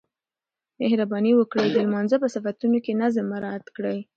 مهرباني وکړئ د لمانځه په صفونو کې نظم مراعات کړئ.